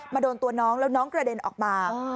โดนตัวน้องแล้วน้องกระเด็นออกมา